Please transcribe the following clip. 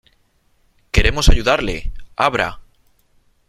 ¡ queremos ayudarle !¡ abra !